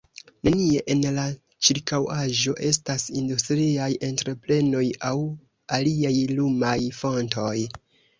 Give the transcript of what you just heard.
Nenie en la ĉirkaŭaĵo estas industriaj entreprenoj aŭ aliaj lumaj fontoj.